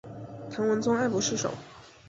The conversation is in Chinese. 唐文宗爱不释手。